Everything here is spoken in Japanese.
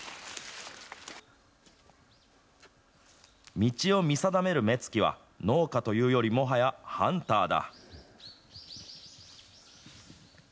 道を見定める目つきは、農家というよりもはやハンターだ。